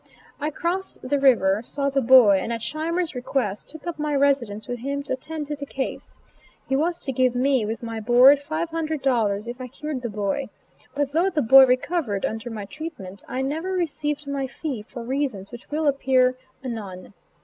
I crossed the river, saw the boy, and at Scheimer's request took up my residence with him to attend to the case. He was to give me, with my board, five hundred dollars if I cured the boy; but though the boy recovered under my treatment, I never received my fee for reasons which will appear anon.